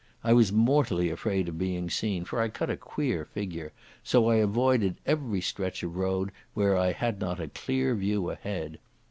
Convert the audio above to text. I was mortally afraid of being seen, for I cut a queer figure, so I avoided every stretch of road where I had not a clear view ahead.